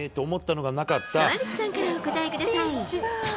川口さんからお答えください。